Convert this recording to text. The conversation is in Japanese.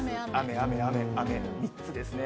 雨、雨、雨、３つですね。